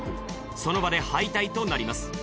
その場で敗退となります。